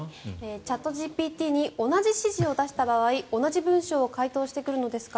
チャットＧＰＴに同じ指示を出した場合同じ文章を回答してくるのですか。